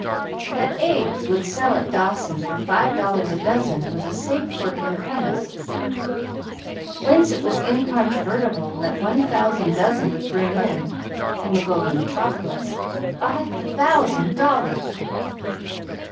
That eggs would sell at Dawson for five dollars a dozen was a safe working premise. Whence it was incontrovertible that one thousand dozen would bring, in the Golden Metropolis, five thousand dollars.